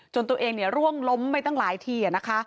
จนตัวเองเนี่ยร่วงล้มไม่ตั้งหลายทีอะนะคะ